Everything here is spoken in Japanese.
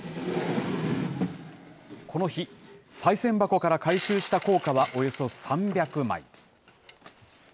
この日、さい銭箱から回収した硬貨はおよそ３００枚。